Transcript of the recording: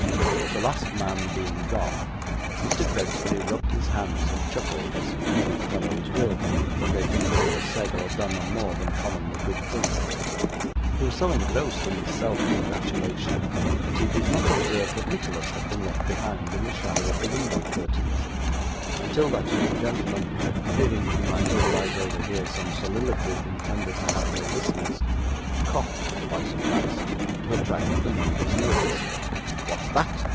The last man being gone, Mr. Gregsbury rubbed his hands and chuckled, as merry fellows will, when they think they have said or done a more than commonly good thing; he was so engrossed in this self congratulation, that he did not observe that Nicholas had been left behind in the shadow of the window curtains, until that young gentleman, fearing he might otherwise overhear some soliloquy intended to have no listeners, coughed twice or thrice, to attract the member's notice. 'What's that?